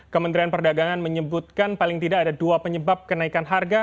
kementerian perdagangan menyebutkan paling tidak ada dua penyebab kenaikan harga